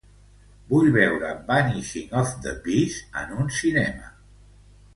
Vull veure Vanishing of the Bees en un cinema.